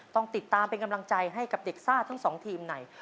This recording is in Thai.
ต้องติดตามเป็นกำลังใจให้กับเด็กซ่าทั้งสองทีมใน